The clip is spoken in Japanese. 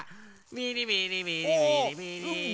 ビリビリビリビリビリーッと。